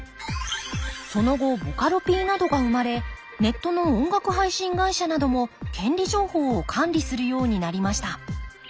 その後ボカロＰなどが生まれネットの音楽配信会社なども権利情報を管理するようになりました。